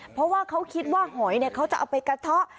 เพราะว่าเขาคิดว่าหอยเขาจะเอาไปกระเทาะ